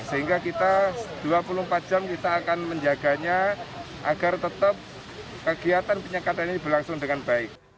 sehingga kita dua puluh empat jam kita akan menjaganya agar tetap kegiatan penyekatan ini berlangsung dengan baik